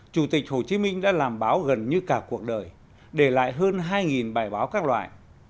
chủ tịch hồ chí minh đã làm báo gần như cả cuộc đời để lại hơn hai bài báo các loại